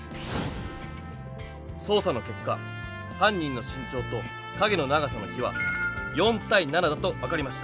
捜査のけっか犯人の身長と影の長さの比は４対７だと分かりました。